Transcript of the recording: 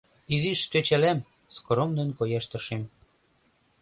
— Изиш тӧчалам, — скромнын кояш тыршем.